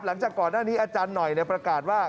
หลังจากก่อนหน้านี้อาจารย์หน่อยประกาศว่า